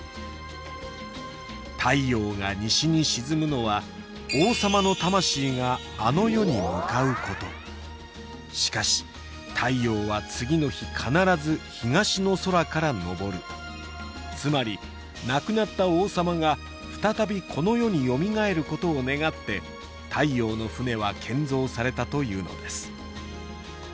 太陽が西に沈むのは王様の魂があの世に向かうことしかし太陽は次の日必ず東の空から昇るつまり亡くなった王様が再びこの世によみがえることを願って太陽の船は建造されたというのです